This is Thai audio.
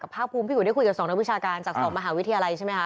ภาคภูมิพี่อุ๋ยได้คุยกับ๒นักวิชาการจาก๒มหาวิทยาลัยใช่ไหมคะ